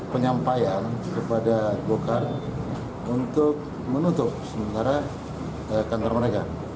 penyampaian kepada golkar untuk menutup sementara kantor mereka